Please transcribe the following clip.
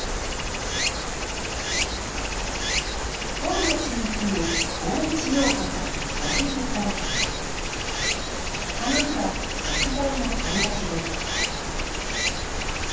本町に住むこの日は食材の買い出しです